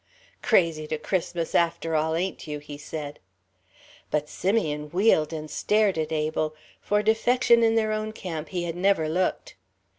"Crazy to Christmas after all, ain't you?" he said. But Simeon wheeled and stared at Abel. For defection in their own camp he had never looked.